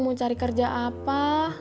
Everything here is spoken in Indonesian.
mau cari kerja apa